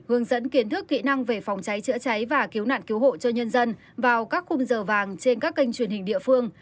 hướng dẫn kiến thức kỹ năng về phòng cháy chữa cháy và cứu nạn cứu hộ cho nhân dân vào các khung giờ vàng trên các kênh truyền hình địa phương